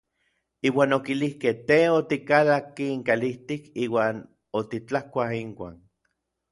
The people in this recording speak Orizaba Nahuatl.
Iuan okilijkej: Tej otikalakki inkalijtik iuan otitlakuaj inuan.